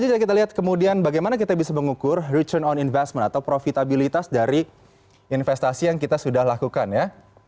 selanjutnya kita lihat kemudian bagaimana kita bisa mengukur return on investment atau profitabilitas dari investasi yang kita sudah lakukan ya